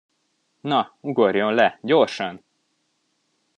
Na, ugorjon le, gyorsan!